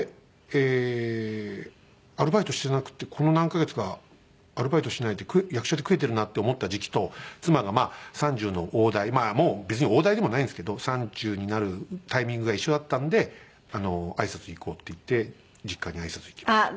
ええーアルバイトしてなくてこの何カ月かアルバイトしないで役者で食えてるなって思った時期と妻がまあ３０の大台もう別に大台でもないんですけど３０になるタイミングが一緒だったのであいさつ行こうって言って実家にあいさつに行きました。